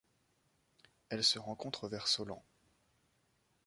Elle se rencontre vers Solan.